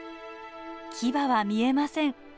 キバは見えません。